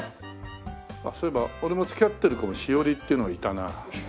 あっそういえば俺も付き合ってる子にしおりっていうのいたな。